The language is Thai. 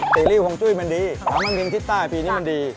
เกี่ยวกับเรื่องหวงจุ้ยมาฝาก